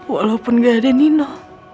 walaupun gak ada nino